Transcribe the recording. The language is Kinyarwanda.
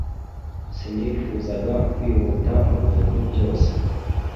Sinifuzaga kwihuta mubintu byose.